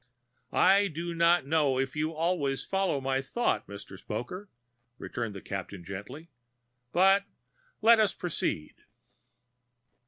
"I do not know if you always follow my thought, Mr. Spoker," returned the Captain gently. "But let us proceed."